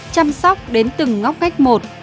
chăm sóc đến từng ngóc cách một